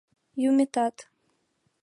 «Юметат